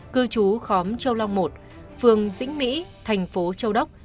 cư trú khóm châu long một phường dĩnh mỹ thành phố châu đốc